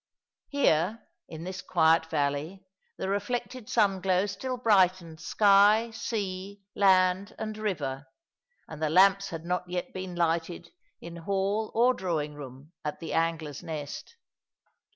Here, in this quiet valley, the reflected sun glow still brightened sky, sea, land, and river, and the lamps had not yet been lighted in hall or drawing room at the Angler's Nest.